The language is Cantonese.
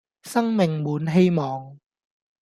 生命滿希望